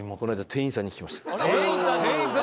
店員さんに！？